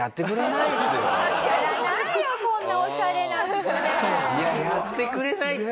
いややってくれないって。